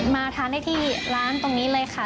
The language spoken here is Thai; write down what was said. มาทานได้ที่ร้านตรงนี้เลยค่ะ